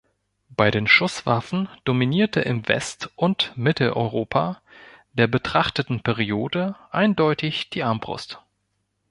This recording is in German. Bei den Schusswaffen dominierte im West- und Mitteleuropa der betrachteten Periode eindeutig die Armbrust.